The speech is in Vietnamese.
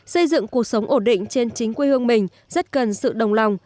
xây dựng cuộc sống ổn định trên chính quê hương mình rất cần sự đồng lòng